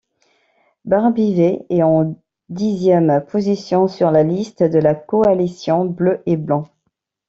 Barbivai est en dixième position sur la liste de la coalition Bleu et blanc.